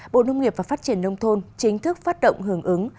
bộ nông nghiệp và phát triển nông thôn chính thức phát động hưởng ứng